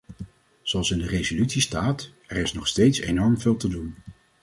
Zoals in de resolutie staat, er is nog steeds enorm veel te doen.